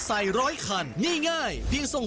อีกนิดนึง